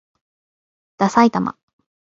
ださいたま